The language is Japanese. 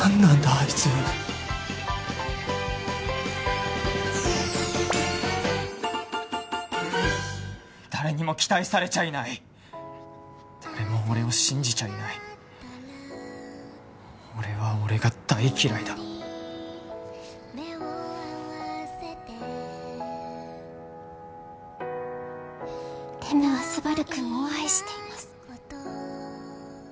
あいつ誰にも期待されちゃいない誰も俺を信じちゃいない俺は俺が大嫌いだレムはスバル君を愛しています